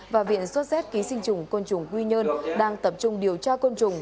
và viện sốt z ký sinh trùng côn trùng quy nhơn đang tập trung điều tra côn trùng